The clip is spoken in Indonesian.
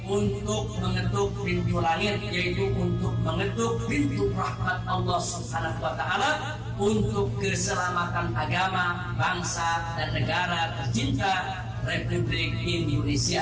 untuk mengetuk pintu langit yaitu untuk mengetuk pintu rahmat allah swt untuk keselamatan agama bangsa dan negara tercinta republik indonesia